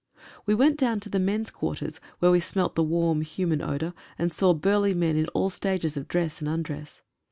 We went down to the men's quarters, where we smelt the warm human odour, and saw burly men in all stages of dress and undress.